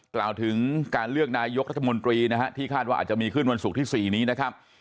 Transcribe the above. กล่าวถึงการเลือกนายกรัฐมนตรีนะฮะที่คาดว่าอาจจะมีขึ้นวันศุกร์ที่๔นี้นะครับ